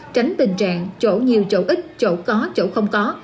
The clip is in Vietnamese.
tránh tình trạng chỗ nhiều chỗ ít chỗ có chỗ không có